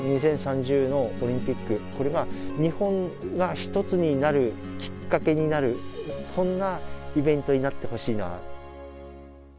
２０３０のオリンピック、これは日本が一つになるきっかけになる、そんなイベントになってほしいな。